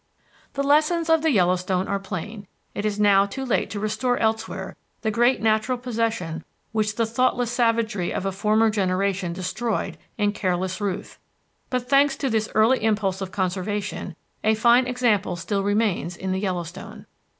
The lessons of the Yellowstone are plain. It is now too late to restore elsewhere the great natural possession which the thoughtless savagery of a former generation destroyed in careless ruth, but, thanks to this early impulse of conservation, a fine example still remains in the Yellowstone.